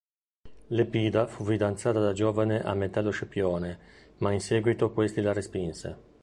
Lepida fu fidanzata da giovane a Metello Scipione ma in seguito questi la respinse.